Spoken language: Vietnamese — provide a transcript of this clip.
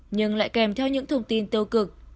nhưng lại kèm theo những thông tin tiêu cực